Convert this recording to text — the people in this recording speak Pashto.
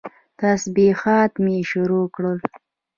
تسبيحات مې شروع کړل.